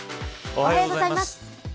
おはようございます。